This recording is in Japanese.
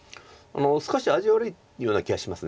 少し味悪いような気がします。